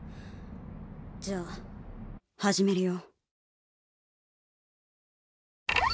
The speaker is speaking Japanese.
じゃあ始めるよ。